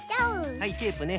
はいテープね。